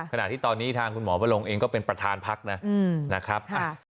ขณะที่ตอนนี้ทางคุณหมอวรงเองก็เป็นประธานพักนะครับ